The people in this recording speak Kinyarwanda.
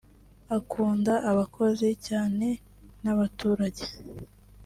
akunda abakozi cyane n’abaturage